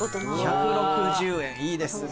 １６０円いいですね。